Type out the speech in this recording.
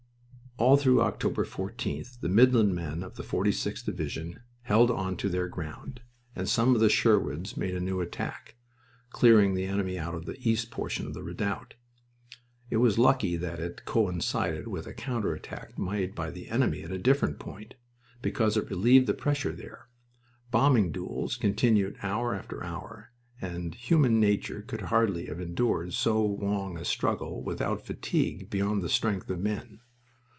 All through October 14th the Midland men of the 46th Division held on to their ground, and some of the Sherwoods made a new attack, clearing the enemy out of the east portion of the redoubt. It was lucky that it coincided with a counter attack made by the enemy at a different point, because it relieved the pressure there. Bombing duels continued hour after hour, and human nature could hardly have endured so long a struggle without fatigue beyond the strength of men.